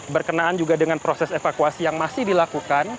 berkenaan juga dengan proses evakuasi yang masih dilakukan